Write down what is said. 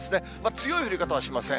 強い降り方はしません。